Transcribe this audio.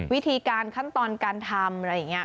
วิธีการขั้นตอนการทำอะไรอย่างนี้